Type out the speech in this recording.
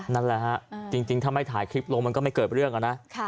นั่นแหละฮะจริงถ้าไม่ถ่ายคลิปลงมันก็ไม่เกิดเรื่องนะ